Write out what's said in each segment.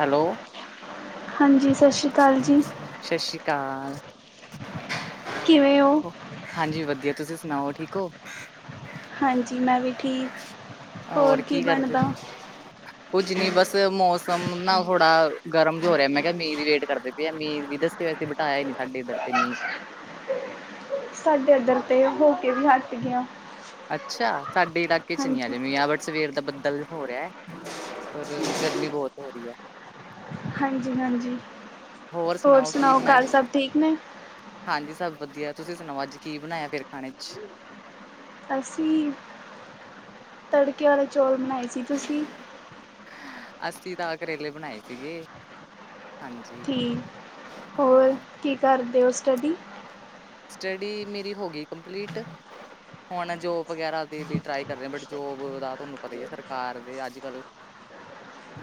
Hello. ਹਾਂਜੀ ਸਤਿ ਸ਼੍ਰੀ ਅਕਾਲ ਜੀ। ਸਤਿ ਸ਼੍ਰੀ ਅਕਾਲ। ਕਿਵੇਂ ਓ? ਹਾਂਜੀ ਵਧੀਆ, ਤੁਸੀਂ ਸੁਣਾਓ ਠੀਕ ਹੋ? ਹਾਂਜੀ, ਮੈਂ ਵੀ ਠੀਕ ਹੋਰ ਕੀ ਬਣਦਾ? ਕੁੱਝ ਨੀ ਬਸ ਮੌਸਮ ਨਾ ਥੋੜਾ ਗਰਮ ਜੋ ਹੋ ਰਿਹਾ ਮੈਂ ਕਿਹਾ ਮਈ ਦੀ ਲੇਟ ਕਰਦੇ ਪਿਆ ਮੀਂਹ ਵੀ ਦੱਸੇ ਵੇ ਬਿਠਾਇਆ ਨੀ ਸਾਡੇ ਇੱਧਰ ਤੇ ਮੀਂਹ ਸਾਡੇ ਇੱਧਰ ਤੇ ਹੋ ਕੇ ਵੀ ਹਟ ਗਿਆ ਅੱਛਾ ਸਾਡੇ ਇਲਾਕੇ ਚ ਨੀ ਆ ਹਾਂਜੀ ਜਾਵੇ, ਆ ਬਟ ਸਵੇਰ ਦਾ ਬੱਦਲ ਹੋ ਰਿਹਾ। ਪਰ ਗਰਮੀ ਬਹੁਤ ਹੋ ਰਹੀ ਹੈ। ਹਾਂਜੀ-ਹਾਂਜੀ, ਹੋਰ ਸੁਣਾਓ ਘਰ ਸਭ ਠੀਕ ਨੇ? ਹਾਂਜੀ ਸਭ ਵਧੀਆ, ਤੁਸੀਂ ਸੁਣਾਓ ਅੱਜ ਕੀ ਬਣਾਇਆ ਫਿਰ ਖਾਣੇ ਚ? ਅਸੀਂ ਤੜਕੇ ਵਾਲੇ ਚੌਲ ਬਣਾਏ ਸੀ, ਤੁਸੀਂ? ਅੱਸੀ, ਤਾਂ ਕਰੇਲੇ ਬਣਾਏ ਸੀਗੇ, ਹਾਂਜੀ ਠੀਕ, ਹੋਰ ਹਾਂ ਕੀ ਕਰਦੇ ਹੋ ਸਟੱਡੀ? ਸਟੱਡੀ ਮੇਰੀ ਹੋ ਗਈ ਕੰਪਲੀਟ, ਹੁਣ ਜੋਬ ਵਗੈਰਾ ਦੀ ਵੀ ਟਰਾਈ ਕਰ ਰਹੇ ਬਟ ਜੋਬ ਦਾ, ਤੁਹਾਨੂੰ ਪਤਾ ਹੀ ਹੈ ਸਰਕਾਰ ਦੇ ਅੱਜ-ਕੱਲ। [unintelligible]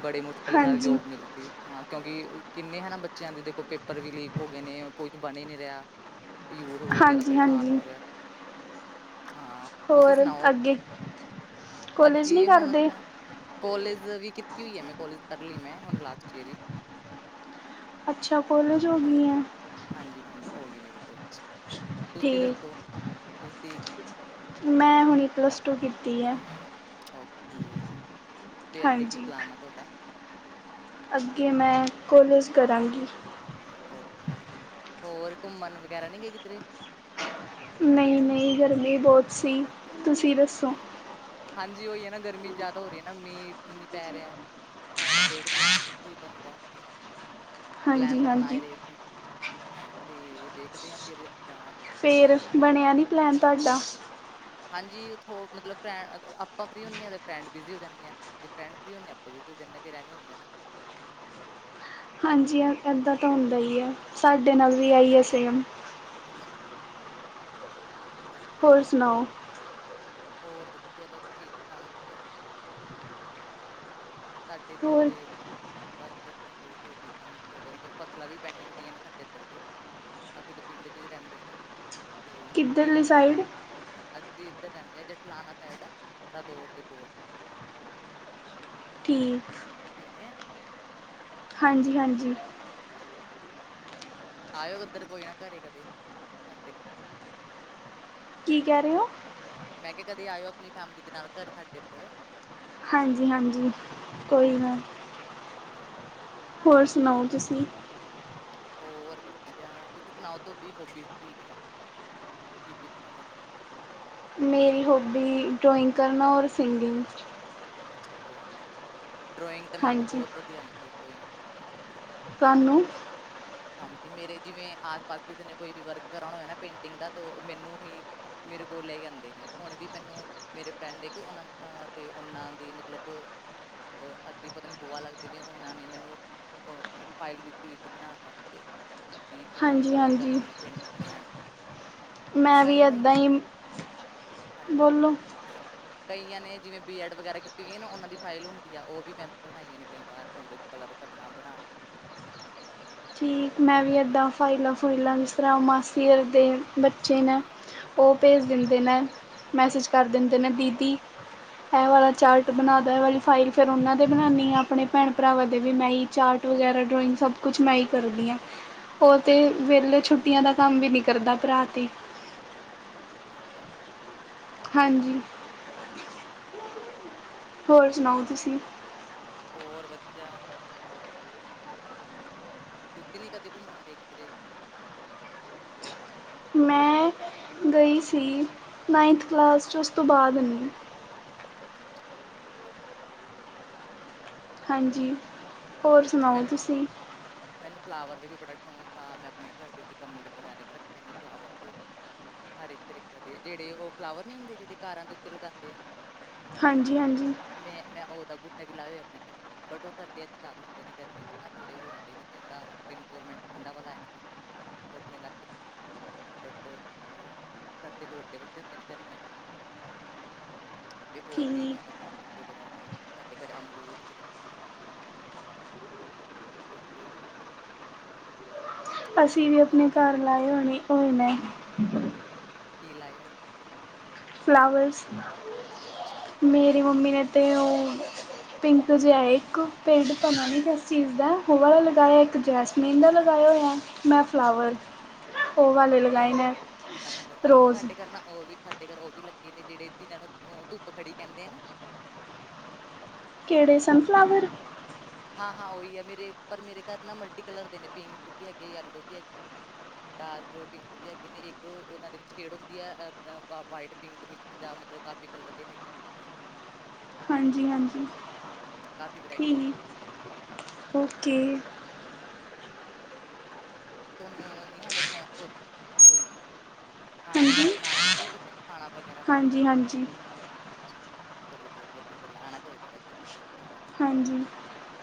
ਬੜੀ ਮੁਸ਼ਕਿਲ ਨਾਲ ਹਾਂਜੀ ਜੋਬ ਮਿਲਦੀ। ਹਾਂ ਕਿਉਂਕਿ ਕਿੰਨੇ ਹਨਾ ਬੱਚਿਆਂ ਦੇ ਦੇਖੋ ਪੇਪਰ ਵੀ ਲੀਕ ਹੋ ਗਏ ਨੇ ਕੁੱਝ ਬਣੇ ਹੀ ਨਹੀਂ ਰਿਹਾ। ਯੂਥ ਬੋਤ ਜਾਦਾ ਹਾਂਜੀ ਪਰੇਸ਼ਾਨ ਹਾਂਜੀ ਹੋ ਰਿਹਾ ਐ। ਹਾਂ। ਤੁਸੀ ਹੋਰ ਸੁਣਾਓ। ਅੱਗੇ ਅੱਜ ਕੋਲਜ ਨਹੀਂ ਕੀ ਹੁਣ ਕਰਦੇ ਤਾਂ। ਕੋਲੇਜ ਵੀ ਕੀਤੀ ਹੋਈ ਐ ਮੈਂ ਕੋਲੇਜ ਕਰ ਲੀ ਮੈਂ ਹੁਣ ਲਾਸਟ ਈਅਰ ਈ ਅੱਛਾ ਕੋਲੇਜ ਹਾਂਜੀ ਹੋਗੀ ਐ। ਹਾਂਜੀ ਹਾਂਜੀ ਹੋ ਗਈ ਮੇਰੇ ਕੋਲੇਜ ਤੁਸੀ ਦੱਸੋ ਠੀਕ ਤੁਸੀ ਮੈਂ ਹੁਣੇ ਪਲਸ ਟੂ ਕੀਤੀ ਐ। ਓਕੇ ਤੇ ਅੱਗੇ ਕੀ ਹਾਂਜੀ ਪਲਾਨ ਆ ਤੁਹਾਡਾ? ਅੱਗੇ ਮੈਂ ਕੋਲੇਜ ਕਰਾਂਗੀ। ਹੋਰ ਘੁੰਮਣ ਵਗੈਰਾ ਨੀ ਗੇ ਕਿਧਰੇ? ਨਈ ਨਈ ਗਰਮੀ ਬਹੁਤ ਸੀ ਤੁਸੀ ਦੱਸੋ। ਹਾਂਜੀ ਓਈ ਏ ਨਾ ਗਰਮੀ ਜਾਦਾ ਹੋ ਰਹੀ ਹੈ ਨਾ ਮੀਂਹ ਨੀ ਪੈ ਰਿਹਾ। ਹੁਣ ਦੇਖਦੇ ਹਾਂ ਕੀ ਬਣਦਾ ਐ। ਪਲੈਨ ਹਾਂਜੀ ਤਾਂ ਹਾਂਜੀ ਬਣਾਏ ਰਹੇ ਸੀ ਤੇ ਵੇਖਦੇ ਹਾਂ ਫਿਰ ਜਾਵਾਂਗੇ। ਫਿਰ ਬਣਿਆ ਨਹੀਂ ਪਲੈਨ ਤੁਹਾਡਾ ਹਾਂਜੀ ਉਥੋ ਮਤਲਬ ਆਪਾਂ ਫਰੀ ਹੁੰਦੇ ਹਾਂ ਅਤੇ ਫਰੈਂਡ ਬਿਜ਼ੀ ਹੋ ਜਾਂਦੇ ਆ ਜੇ ਫਰੈਂਡ ਫਰੀ ਹੁੰਦੇ ਆਪਾਂ ਵੀ ਚ ਜਾਂਦੇ ਰਹਿੰਦੇ ਹੁੰਦੇ ਨਾ ਹਾਂਜੀ ਇੱਦਾਂ ਤਾਂ ਹੁੰਦਾ ਹੀ ਹੈ ਸਾਡੇ ਨਾਲ ਵੀ ਇਹੀਓ ਸੇਮ [unintelligible] ਹਾਂਜੀ ਏਹ ਤੇ ਹੋਰ ਗੱਲ ਹੈ। ਸੁਣਾਓ ਹੋਰ ਵਧੀਆ ਬਸ ਠੀਕ ਠਾਕ ਜੇ। ਸਾਡੇ ਏਧਰ ਹੋਰ ਦੇ ਬਸ ਫਿਰ ਬੋਤ ਹੋ ਰਹੀਆਂ ਸੋਚਦੇ ਕਿ ਫਸਲਾਂ ਵੀ ਪੈਂਡਿੰਗ ਪਈਆਂ ਨੇ ਸਾਡੇ ਏਧਰ ਤੇ। ਅਸੀ ਤੇ ਪਿੰਡ ਚ ਈ ਰਹਿੰਦੇ ਆ ਨਾ। ਕਿੱਧਰ ਲੀ ਸਾਈਡ? ਅਸੀ ਏਧਰ ਰਹਿੰਦੇ ਆ ਜੇਠਲਾਨਾ ਸਾਈਡ ਰਾਦੌਰ ਦੇ ਕੋਲ। ਠੀਕ। ਸੋ ਗਿਆ ਹਾਂਜੀ ਹਾਂਜੀ। ਆਇਓ ਏਧਰ ਕੋਈ ਨਾ ਘਰੇ ਕਦੇ ਸਾਡੇ। ਕੀ ਕਹਿ ਰਹੇ ਹੋ? ਮੈਂ ਕਿਹਾ ਕਦੇ ਆਇਓ ਅਪਣੀ ਫੈਮਿਲੀ ਦੇ ਨਾਲ ਘਰ ਸਾਡੇ ਏਧਰ। ਹਾਂਜੀ ਹਾਂਜੀ ਕੋਈ ਨਾ। ਹੋਰ ਸੁਣਾਓ ਤੁਸੀ। ਹੋਰ ਵਧੀਆ ਤੁਸੀ ਸੁਣਾਓ ਤੁਹਾਡੀ ਹੋਬੀਸ ਕੀ ਨੇ? ਕੀ ਕੀ ਪਸੰਦ ਹੈ ਤਾਨੂੰ? ਮੇਰੀ ਹੋਬੀ ਡਰਾਇੰਗ ਕਰਨਾ ਔਰ ਸਿੰਗਿੰਗ। ਅੱਛਾ ਡਰੋਇੰਗ ਕਰ ਡਰੋਇੰਗ ਤਾਂ ਮੈਨੂੰ ਵੀ ਹਾਂਜੀ ਬੋਤ ਵਧੀਆ ਆਂਦੀ ਐ ਡਰੋਇੰਗ। ਤਾਨੂੰ। ਹਾਂਜੀ ਮੇਰੇ ਜਿਵੇਂ ਆਸ ਪਾਸ ਕਿਸੇ ਨੇ ਕੋਈ ਵੀ ਵਰਕ ਕਰਾਉਣਾ ਹੋਏ ਨਾ ਪੇਂਟਿੰਗ ਦਾ ਤਾਂ ਓ ਮੈਨੂੰ ਹੀ ਮੇਰੇ ਕੋਲ ਲੇਈ ਆਂਦੇ ਨੇ ਹੁਣ ਵੀ ਮੈਨੂੰ ਮੇਰੇ ਫਰੈਂਡ ਏਕ ਓਨਾ ਤੇ ਓਨਾਂ ਦੀ ਮਤਲਬ ਅੱਗੇ ਪਤਾ ਨੀ ਭੂਆ ਲੱਗਦੇ ਨੇ ਓਨਾਂ ਨੇ ਮੈਨੂੰ ਅ ਫਾਈਲ ਦਿੱਤੀ ਹੋਈ ਸੀ ਬਣਾ ਵਾਸਤੇ। ਤੇ ਵੀ ਓਨਾਂ ਚ ਹਾਂਜੀ ਕਲਰ ਹਾਂਜੀ ਕਰਨੇ ਨੇ ਪੇਂਟ ਮੈਂ ਵੀ ਹੁੰਦੇ ਏਦਾਂ ਈ। ਹਾਂਜੀ, ਬੋਲੋ। ਕਈਆਂ ਨੇ ਜਿਵੇਂ ਬੀ ਐਡ ਵਗੈਰਾ ਕੀਤੀ ਹੋਈ ਨਾ ਓਨਾਂ ਦੀ ਫਾਈਲ ਹੁੰਦੀ ਆ ਉਹ ਵੀ ਮੈਂ ਬਣਾਈਆਂ ਨੇ ਕਈ ਵਾਰ ਓਦੇ ਕਲਰ ਕਰਨਾ ਬਣਾ। ਠੀਕ ਮੈਂ ਵੀ ਹਾਂਜੀ ਐਦਾਂ ਫਾਈਲਾਂ ਫੂਈਲਾਂ ਜਿਸ ਤਰ੍ਹਾਂ ਮਾਸੀ ਦੇ ਬੱਚੇ ਨੇ ਹਾਂ ਉਹ ਭੇਜ ਦਿੰਦੇ ਨੇ ਮੈਸੇਜ ਕਰ ਦਿੰਦੇ ਨੇ ਦੀਦੀ। ਐ ਵਾਲਾ ਚਾਰਟ ਬਣਾਦੇ ਏ ਵਾਲੀ ਫਾਈਲ ਹਾਂ ਫਿਰ ਓਨਾਂ ਦੇ ਬਣਾਨੀ ਆਂ ਅਪਣੇ ਭੈਣ ਭਰਾਵਾਂ ਦੇ ਵੀ ਮੈਂ ਈ ਚਾਰਟ ਵਗੈਰਾ ਡਰੋਇੰਗ ਸਭ ਕੁਛ ਮੈਂ ਈ ਕਰ ਉਹੀ ਨਾ, ਉਹ ਤੇ ਹੋ ਜਾ ਵੇਲੇ ਛੁੱਟੀਆਂ ਦਾ ਕੰਮ ਵੀ ਨਹੀਂ ਕਰਦਾ ਭਰਾ ਤੇ। [unintelligible] ਹਾਂਜੀ। ਹੋਰ ਸੁਣਾਓ ਤੁਸੀਂ। ਹੋਰ ਵਧੀਆ। ਤੁੱਸੀ ਨਹੀਂ ਕਦੀ ਘੁੰਮਣ ਗਏ ਕਿਧਰੇ। ਨਾਂ ਅ। ਰਈ ਸੀ ਨਾਈਨਥ ਕਲਾਸ ਚ ਉਸ ਤੋਂ ਬਾਅਦ ਨਹੀਂ। ਅੱਛਾ ਚਲੋ ਹਾਂਜੀ, ਹੋਰ ਸੁਣਾਓ ਮੈਨੂੰ ਤੁਸੀਂ। ਮੈਨੂੰ ਫਲਾਵਰ ਦੇ ਵੀ ਬੜਾ ਸ਼ੌਂਕ ਆ ਮੈਂ ਆਪਣੇ ਘਰ ਦੇ ਵਿੱਚ ਗਮਲੇ ਵਗੈਰਾ ਵੀ ਰੱਖੇ ਨੇ ਫਲਾਵਰ ਹਰ ਇੱਕ [unintelligible] ਜਿਹੜੇ ਉਹ ਫਲਾਵਰ ਨੀ ਹੁੰਦੇ ਜਿਹੜੇ ਕਾਰਾਂ ਦੇ ਉੱਤੇ ਲਗਾਉਂਦੇ ਆ। ਹਾਂਜੀ-ਹਾਂਜੀ। ਮੈਂ-ਮੈਂ ਉਹਦਾ ਬੂਟਾ ਵੀ ਲਾਏ ਹੋਏ ਆਪਣੇ ਘਰੇ ਬਟ ਉਹ ਸਰਦੀਆਂ ਚ ਜਾ [unintelligible] ਇੰਨੀ ਗਰਮੀ ਚ ਨਾ ਥੋੜੇ ਹੋ ਜਾਂਦੇ ਨ ਕਿਉਂਕਿ ਉਂਦਾ ਮੈਨੂੰ ਪੋਰਮੈਂਟਾਂ ਵਾਲਾ। [unintelligible] ਓਪਨੇ ਲਾਕੇ ਬੱਟ ਓ ਸਰਦੀ ਚ ਵੱਡੇ ਵੱਡੇ ਹੁੰਦੇ ਨੇ ਗਰਮੀਆਂ ਚ ਤੇ ਹੋਰ ਵੀ ਮੈਂ ਠੀਕ ਕਾਫੀ ਬੂਟੇ ਵਗੈਰਾ ਲਗਾਏ ਸਾਡੇ ਘਰ ਅਮਰੂਦ ਵੀ ਲੱਗੇ ਨੇ [unintelligible] ੂ ਅਸੀ ਵੀ ਹੋਰ ਅਪਣੇ ਘਰ ਲਾਏ ਹੋਏ ਨੇ ਓਹ ਨ ਕੀ ਲਾਏ ਹੋਏ? ਫਲਾਵਰਸ। ਮੇਰੀ ਮੰਮੀ ਨੇ ਤੇ ਓ ਪਿੰਕ ਜਿਹਾ ਇੱਕ, ਪਿੰਡ ਤਾ ਮੈਂ ਵੀ ਦੱਸੀਗਾ [unintelligible] ਲਗਾਇਆ ਇੱਕ ਜੈਸ ਨੀਲਾ ਲਗਾਾਇਆ [unintelligible] ਨਾਲ ਫਲਾਵਰ। ਉਹ ਵਾਲੇ ਲਗਾਏ ਅ ਨੇ ਅੱਛਾ ਅ ਰੋਜ਼। ਸਾਡੇ ਘਰ ਨਾ, ਉਹ ਵੀ ਸਾਡੇ ਘਰ ਉਹ ਵੀ ਲੱਗੇ ਨੇ ਜਿਹੜੇ ਜਿਹਨਾਂ ਨੂੰ ਧੁੱਪ ਖੜੀ ਕਹਿੰਦੇ ਨਾ। ਕਿਹੜੇ ਸਨਫਲਾਵਰ। ਹਾਂ-ਹਾਂ, ਉਹੀ ਹੈ ਮੇਰੇ ਪਰ ਮੇਰੇ ਘਰ ਨਾ ਮਲਟੀ ਕਲਰ ਦੇ ਨੇ ਪਿੰਕ ਵੀ ਹੈਗੇ ਯੈਲੋ ਵੀ ਹੈਗੇ। ਡਾਰਕ ਪਿੰਕ ਵੀ ਹੈਗੇ ਨੇ, ਇੱਕ ਉਹਨਾਂ ਦੇ ਵਿੱਚ ਸ਼ੇਡ ਹੁੰਦੀ ਹੈ ਵਾਈਟ ਪਿੰਕ ਮਿਕਸ ਜਾਂ ਮਤਲਬ ਕਾਫੀ ਏ ਕਲਰ ਦੇ ਹੈਗੇ। ਆ। ਹਾਂਜੀ-ਹਾਂਜੀ ਕਾਫੀ ਵੈਰਾਈਟੀ ਹੁੰਦੀ ਆ। ਠੀਕ ਓਕੇ। ਤੁਹਾਨੂੰ ਨੀ ਹੈਗਾ ਸ਼ੌਂਕ ਹੋਰ ਕੋਈ, ਖਾਣਾ ਹਾਂਜੀ ਵਗੈਰਾ ਬਣਾ ਲੈਂਦੇ ਹੋ ਤੁਸੀਂ। ਖਾਣਾ ਵਗੈਰਾ ਹਾਂਜੀ ਹਾਂਜੀ ਚਲੋ ਬਹੁਤ ਵਧੀਆ ਗੱਲ ਆਉਣਾ ਚਾਹੀਦਾ ਵੈਸੇ ਖਾਣਾ ਬਣਾਣਾ ਵੀ। ਹਾਂਜੀ।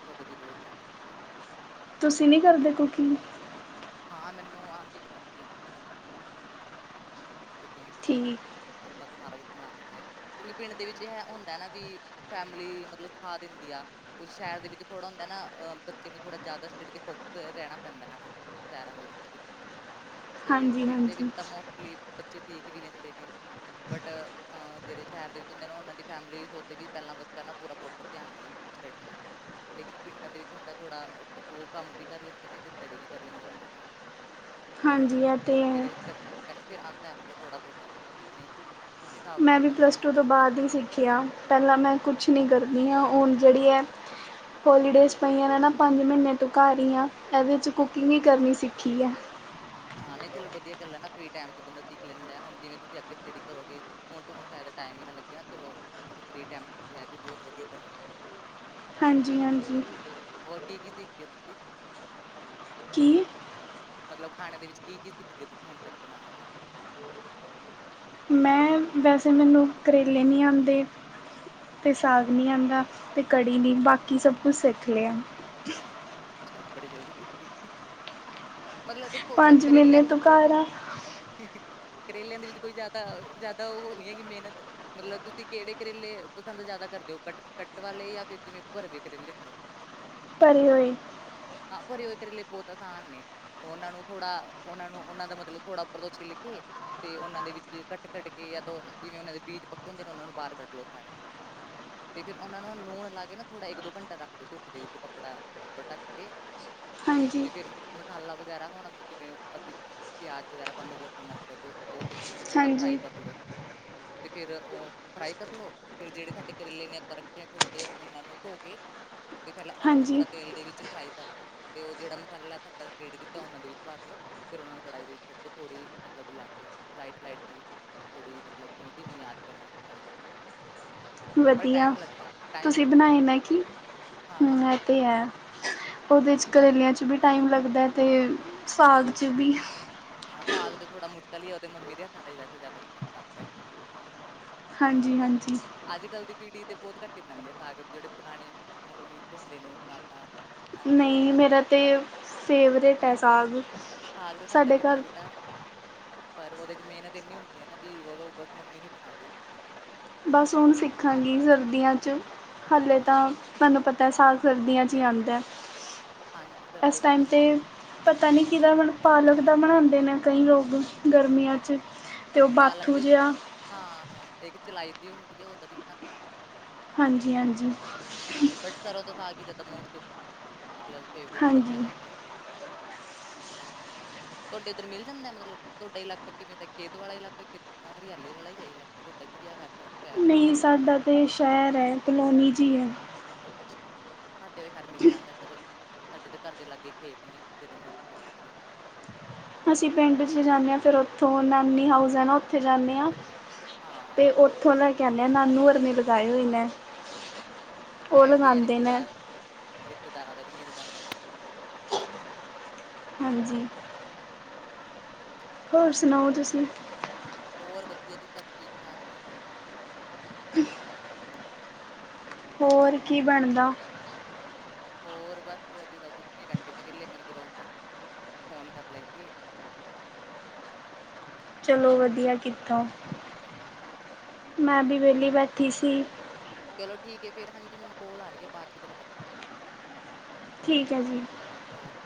ਕਦੋਂ ਵੀ ਲੋੜ ਪੈ ਸਕਦੀ ਆ। ਤੁਸੀਂ ਨਹੀਂ ਕਰਦੇ ਕੁਕਿੰਗ। ਹਾਂ, ਮੈਨੂੰ ਆਂਦੀ ਏ ਕੁਕਿੰਗ ਬਹੁਤ ਜ਼ਿਆਦਾ। ਕੁਕਿੰਗ ਹੀ ਸੀ ਕਰਦੇ, ਠੀਕ ਆਪਾਂ ਤਾਂ ਸਾਰਾ ਕੁੱਛ ਬਣਾ ਲੈਨੇ। ਕਿਉਂਕਿ ਪਿੰਡ ਦੇ ਵਿੱਚ ਐ ਹੁੰਦਾ ਹੈ ਨਾ ਵੀ, ਫੈਮਿਲੀ ਮਤਲਬ ਸਿਖਾ ਦਿੰਦੀ ਆ। ਕੁਝ ਸ਼ਹਿਰ ਦੇ ਵਿੱਚ ਥੋੜਾ ਹੁੰਦਾ ਨਾ, ਅ, ਬੱਚੇ ਨੂੰ ਥੋੜਾ ਜ਼ਿਆਦਾ ਸਟੱਡੀ ਤੇ ਫੋਕਸ ਰਹਿਣਾ ਪੈਂਦਾ ਹਨਾ। ਸ਼ਹਿਰਾਂ ਦੇ ਵਿੱਚ ਤੇ-ਤੇ ਹਾਂਜੀ ਪਿੰਡ ਦੇ ਵਿੱਚ ਹਾਂਜੀ ਤਾਂ ਮੋਸਟਲੀ ਬੱਚੇ ਭੀਖ ਵੀ ਲੈਂਦੇ ਨੇ। ਬਟ ਅਹ ਜਿਹੜੇ ਸ਼ਹਿਰ ਦੇ ਵਿੱਚ ਹੁੰਦੇ ਨਾ ਉਹਨਾਂ ਦੀ ਫੈਮਿਲੀ ਸੋਚਦੀ ਵੀ ਪਹਿਲਾਂ ਬੱਚਾ ਨਾ ਪੂਰਾ ਪ੍ਰੋਪਰ ਧਿਆਨ ਦੇਵੇ। ਟਰੈਡ ਮਿੱਲ ਤੇ। ਲੇਕਿਨ ਪਿੰਡਾਂ ਦੇ ਵਿੱਚ ਹੁੰਦਾ ਥੋੜਾ ਉਹ ਕੰਮ ਵੀ ਕਰ ਲੈਂਦੇ ਨੇ ਤੇ ਸਟੱਡੀ ਵੀ ਕਰ ਲੈਂਦੇ ਨੇ ਨਾਲ-ਨਾਲ। [inaudible] ਤੋ ਇਹ ਤੇ ਫਿਰ ਹੈ ਇਸ ਕਰਕੇ ਤੈਨੂੰ ਤੇ ਆਉਂਦਾ ਹੈ ਮਤਲਬ ਥੋੜ੍ਹਾ ਬਹੁਤਾ ਆਪਣੇ ਹਿਸਾਬ ਮੈਂ ਨਾਲ ਵੀ ਤਾਂ ਬਣਾ ਪਲੱਸ ਹੀ ਟੂ ਤੋਂ ਲੈਂਦੇ ਆ ਬਾਅਦ ਹੀ ਸਿੱਖਿਆ ਪਹਿਲਾਂ ਮੈਂ ਕੁਛ ਨਹੀਂ ਕਰਦੀ ਹਾਂ ਹੁਣ ਜਿਹੜੀ ਅ ਹੋਲੀਡੇਜ਼ ਪਈਆਂ ਨੇ ਨਾ, ਪੰਜ ਮਹੀਨੇ ਤੋਂ ਘਰ ਹੀ ਆ, ਇਹਦੇ ਵਿੱਚ ਕੁਕਿੰਗ ਹੀ ਕਰਨੀ ਸਿੱਖੀ ਹੈ। ਹਾਂ, ਨਹੀਂ ਚਲੋ ਵਧੀਆ ਗੱਲ ਹੈ ਨਾ, ਫ੍ਰੀ ਟਾਈਮ'ਚ ਬੰਦਾ ਸਿੱਖ ਲੈਂਦਾ, ਹੁਣ ਜਿਵੇਂ ਤੁਸੀਂ ਅੱਗੇ ਸਟੱਡੀ ਕਰੋਗੇ। ਹੁਣ, ਤੁਹਾਨੂੰ ਸ਼ਾਇਦ ਟਾਈਮ ਈ ਨਾ ਲੱਗੇ ਚਲੋ, ਤੁਸੀਂ ਫ੍ਰੀ ਟਾਈਮ'ਚ ਸਿੱਖ ਲਿਆ ਏਵੀ ਬਹੁਤ ਵਧੀਆ ਗੱਲ ਹੈ। ਹਾਂਜੀ-ਹਾਂਜੀ। ਹੋਰ ਕੀ, ਕੀ ਸਿੱਖਦੇ ਓ, ਤੁਸੀ? ਕੀ? ਮਤਲਬ ਖਾਣੇ ਦੇ ਵਿੱਚ ਕੀ-ਕੀ ਸਿੱਖਦੇ, ਤੁਸੀਂ ਹੁਣ ਤੱਕ ਬਣਾਣਾ। ਮੈਂ ਵੈਸੇ ਮੈਨੂੰ, ਕਰੇਲੇ ਨਹੀਂ ਆਂਦੇ। ਤੇ ਸਾਗ ਨੀ ਆਂਦਾ, ਤੇ ਕੜੀ ਨੀ, ਬਾਕੀ ਸਭ ਕੁਛ ਸਿੱਖ ਲਿਆ। ਵ ਬੜੀ ਜਲਦੀ, ਸਿਖਗੇ, ਮਤਲਬ ਕੇ ਪੰਜ ਕਰੇਲ ਮਹੀਨੇ ਤੋਂ ਘਰ ਆ ਕਰੇਲਿਆਂ ਦੇ ਵਿੱਚ ਕੋਈ ਜ਼ਿਆਦਾ, ਜ਼ਿਆਦਾ ਉਹ ਨੀ ਹੈਗੀ ਮਿਹਨਤ। ਮਤਲਬ ਤੁਸੀਂ ਕਿਹੜੇ ਕਰੇਲੇ ਪਸੰਦ ਜ਼ਿਆਦਾ ਕਰਦੇ ਹੋ? ਕੱ, ਕੱਟ ਵਾਲੇ ਯਾ ਫਿਰ ਜਿਵੇਂ ਭਰਵੇ ਕਰੇਲੇ ਹੁੰਦੇ। ਭਰੇ ਹੋਏ। ਹਾਂ, ਭਰੇ ਹੋਏ ਕਰੇਲੇ ਬਹੁਤ ਅਸਾਨ ਨੇ। ਉਹਨਾਂ ਨੂੰ ਥੋੜਾ, ਉਹਨਾਂ ਨੂੰ ਉਹਨਾਂ ਦਾ ਮਤਲਬ, ਥੋੜਾ ਉੱਪਰ ਤੋਂ ਛਿੱਲਕੇ ਤੇ ਉਹਨਾਂ ਦੇ ਵਿੱਚ ਕੱਟ-ਕੱਟ ਕੇ, ਯਾ ਤੋ ਜਿਵੇਂ ਉਹਨਾਂ ਦੇ ਬੀਜ ਪੱਕੇ ਹੁੰਦੇ ਨੇ, ਉਹਨਾਂ ਨੂੰ ਬਾਹਰ ਕੱਢ ਲਓ ਸਾਰੇ। ਤੇ ਫਿਰ ਉਹਨਾ ਨੂੰ, ਨੂਨ ਲਾਕੇ ਨਾ ਥੋੜ੍ਹਾ, ਇੱਕ- ਦੋ ਘੰਟਾ ਰੱਖ ਦੋ, ਧੁੱਪ ਦੇ ਵਿੱਚ ਕੱਪੜਾ ਪਰ ਢੱਕਕੇ ਹਾਂਜੀ ਤੇ ਫਿਰ ਮਸਾਲਾ ਵਗੈਰਾ ਹੁਣ ਜਿਵੇਂ ਅਸੀਂ, ਪਿਆਜ ਵਗੈਰਾ ਪਾਂਦੇ ਲਹਸੁਨ, ਅਦਰਕ। ਉਹ ਤੇ, ਉਹਨੂੰ ਥੋੜਾ ਫ੍ਰਾਈ ਹਾਂਜੀ ਕਰਲੋ। ਤੇ ਫਿਰ ਉਹ ਫ੍ਰਾਈ ਕਰਲੋ, ਫਿਰ ਜਿਹੜੇ ਸਾਡੇ ਕਰੇਲੇ ਨੇ ਆਪਾਂ ਰੱਖੇ ਆ ਥੋੜ੍ਹੀ ਦੇਰ, ਉਹਨਾਂ ਨੂੰ ਧੋਕੇ ਤੇ ਪਹਿਲਾਂ ਉਹਨਾ ਨੂੰ, ਹਾਂਜੀ ਥੋੜਾ ਤੇਲ ਦੇ ਵਿੱਚ ਫ੍ਰਾਈ ਕਰਲੋ। ਤੇ ਉਹ ਜਿਹੜਾ ਮਸਾਲਾ ਸਾਡਾ ਰੇਡੀ ਕੀਤਾ, ਉਹਨਾਂ ਦੇ ਵਿੱਚ ਭਾਰਲੋ। ਫਿਰ ਉਹਨਾਂ ਨੂੰ ਕੜਾਈ ਦੇ ਵਿੱਚ ਛੱਡੋ, ਥੋੜੀ ਮਤਲਬ, ਲਾਈਟ-ਲਾਈਟ ਜ ਥੋੜ੍ਹੀ ਮਤਲਬ ਕੀਵੇਂ ਮੀਂ ਆ ਕੇ, ਉਹ ਨੂੰ ਬਣਾਵ ਵਧੀਆ, ਟਾਈਮ ਤੁਸੀਂ ਲੱਗਦਾ ਬਟ ਬਣਾਏ ਨੇ ਨਾ, ਬਹੁਤ ਕੀ। ਹਾਂ ਹਾਂ ਹੂੰ ਐ ਬਣਾਏ ਤੇ ਹੈ, ਉਹਦੇ'ਚ ਪਰ ਕਰੇਲਿਆਂਚ ਵੀ ਟਾਈਮ ਲੱਗਦਾ ਤੇ ਹਾਂ ਸਾਗ 'ਚ ਵੀ। ਹਾਂ, ਤ ਆਗ ਤੇ ਥੋੜਾ ਮੁਸ਼ਕਿਲ ਹੀ, ਉਹਦੇ ਮੰਮੀ ਦੇ ਹੱਥਾਂ ਤੇ ਹੀ ਵੈਸ ਜ਼ਿਆਦਾ ਪਸੰਦ ਆਂਦਾ ਹੈ। ਹਾਂਜੀ- ਹਾਂਜੀ। ਅੱਜ-ਕੱਲ ਦੀ ਪੀੜ੍ਹੀ ਤੇ ਬਹੁਤ ਘੱਟੀ ਬਣਾਉਂਦੀ ਆ, ਸਾਗ ਜਿਹੜੇ ਪੁਰਾਣੇ ਮੰਮੀ ਹੁੰਦੇ ਨੇ ਮਾਤਾ ਹਨਾ ਉਹ ਵੀ ਨਹੀਂ ਬਣਾਉਂਦੇ ਨੇ ਮੇਰਾ ਤੇ, ਫੇਵਰੇਟ ਹੈ ਸਾਗ। ਸਾਗ ਤਾਂ ਸਾਡਾ ਸਾਡੇ ਵੀ ਘਰ ਫੇਵਰੇਟ ਹੈ। ਪਰ ਉਹਦੇ'ਚ ਮਿਹਨਤ ਇੰਨੀ ਹੁੰਦੀ ਹੈ, ਨਾ ਵੀ ਉਦੋਂ ਬਸ ਮੰਮੀ ਹੀ ਬਣਾਵੇ। ਬਸ ਹੁਣ ਸਿੱਖਾਂਗੀ ਹਾਂ ਸਰਦੀਆਂ'ਚ, ਹਾਲੇ ਹਾਂ ਤਾਂ ਤੁਹਾਨੂੰ ਪਤਾ ਅਤੇ ਸਾਗ ਸਰਦੀਆਂ 'ਚ ਹੀ ਆਂਦਾ, ਹਾਂਜੀ ਇਸ ਸਰਦੀਆਂ 'ਚ ਟਾਈਮ 'ਤੇ ਆਉਂਦਾ ਪਤਾ ਨਹੀਂੀ ਕਿਹਦਾ ਪਾਲਕ ਦਾ ਬਣਾਉਂਦੇ ਨੇ ਕਈ ਲੋਕ ਗਰਮੀਆਂ 'ਚ ਉਹ ਪਾਲਕ ਬਾਥੂ ਦੇ ਜਿਹਾ ਹਾਂ, ਹਾਂ ਇੱਕ ਚਲਾਈ ਦੀ ਹੁੰਦੀ ਹੈ ਉਹਦਾ ਵੀ ਬਣਾਉਂਦੇ ਆ। ਹਾਂਜੀ ਹਾਂਜੀ। ਬਟ ਸਰੋਂ ਦਸ ਆ ਕੇ ਜਿਆਦਾ ਮੋਸਟ, ਮਤਲਬ ਹਾਂਜੀ ਫੇਵਰੇਟ ਵਧੀਆ ਹਾਂਜੀ ਲੱਗਦਾ ਉਹ। ਬਾਕੀ ਤੁਹਾਡੇ ਉੱਧਰ ਮਿਲ ਜਾਂਦਾ? ਮਤਲਬ, ਤੁਹਾਡਾ ਇਲਾਕਾ ਕਿਵੇਂ ਦਾ? ਖੇਤ ਵਾਲਾ ਇਲਾਕ ਹ ਹਰਿਆਲੀ ਵਾਲਾ ਹੀ ਹੈ ਲ, ਤੁਹਾਡਾ ਵੀ ਗਿਆ ਵੈਸਾ ਕੀ ਸਾਡਾ ਤਾਂ, ਸ਼ਹਿਰ ਹੈ ਕਲੋਨੀ ਜੀ ਹੈ। ਅੱਛਾ ਸਾਡੇ ਤੇ ਖਰ ਮਿਲ ਜਾਂਦਾ ਇੱਧਰ, ਸਾਡੇ ਤਾਂ ਘਰ ਦੇ ਲਾਗੇ ਖੇਤ ਨੇ ਜਦੋਂ ਮਰਜ਼ੀ ਤੋੜਕੇ ਆ ਅਸੀਂ ਪਿੰਡ 'ਚ ਜਾਂਨੇ ਹਾਂ ਫਿਰ ਉੱਥੋਂ, ਨਾਨੀ ਹਾਊਸ ਹੈ ਨਾ ਉੱਥੇ ਜਾਂਨੇ ਆਂ, ਅੱਛਾ ਅੱਛਾ ਹਾਂ ਅਤੇ ਉੱਥੋਂ ਲੈ ਕੇ ਆਨੇ ਆ ਨਾਨੂਆਂਰ ਨੇ ਲਗਾਏ ਹੋਏ ਨੇ, ਉਹ ਇਹ ਵੀ ਹੈ ਲਗਾਂਦੇ ਨੇ। ਰਿਸ਼ਤੇਦਾਰ ਰਿਸ਼ਤੇਦਾਰਾਂ ਦਾ ਵੀ ਮਿਲ ਜਾਂਦਾ। ਹਾਂਜੀ। ਹੋਰ ਸੁਣਾਓ, ਤੁਸੀ? ਹੋਰ ਵਧੀਆ ਜੀ ਸਭ ਠੀਕ ਠਾਕ ਨੇ। ਹੋਰ ਤੁਸੀਂ ਕੀ ਬਣਦਾ। ਹੋਰ ਬਸ ਅਜੇ ਤਾਂ ਕੁਛ ਨੀ ਬੈਠੇ ਸੀ ਵਹਲੇ ਮੈ ਕਿਹਾ ਚਲੋ ਆਪਨੇ ਫੋਨ ਕਰ ਲਈਏ। [inaudible] ਚਲੋ ਹਾਂਜੀ ਵਧੀਆ ਕਿੱਥੇ, ਹਾਂਜੀ ਮੈਂ ਵੀ ਵਿਹਲੀ ਬੈਠੀ ਸੀ। ਚਲੋ ਠੀਕ ਏ ਫੇਰ ਹਾਂਜੀ ਮੈਨੂੰ ਕੋਲ ਆ ਰਹੀ ਏ ਬਾਅਦ ਚ ਗੱਲ ਕਰਦੀ। ਠੀਕ ਹੈ ਜੀ। ਓਕੇ